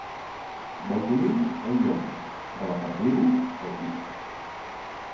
Del conill, el llom; de la perdiu, el pit.